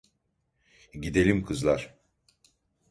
Gidelim kızlar.